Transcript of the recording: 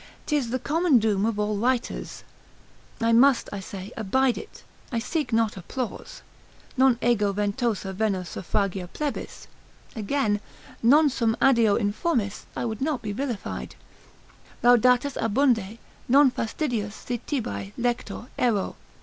'Tis the common doom of all writers, I must (I say) abide it; I seek not applause; Non ego ventosa venor suffragia plebis; again, non sum adeo informis, I would not be vilified: ———laudatus abunde, Non fastiditus si tibi, lector, ero.